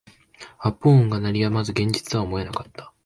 発砲音が鳴り止まず現実とは思えなかった